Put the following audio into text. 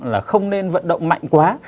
là không nên vận động mạnh quá